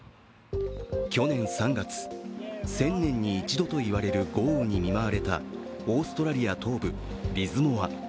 去年３月、１０００年に一度と言われる豪雨に見舞われたオーストラリア東部、リズモア。